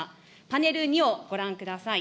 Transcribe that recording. パネル２をご覧ください。